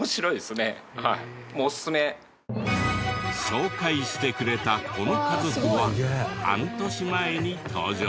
紹介してくれたこの家族は半年前に登場。